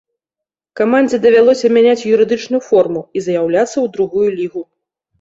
Камандзе давялося мяняць юрыдычную форму і заяўляцца ў другую лігу.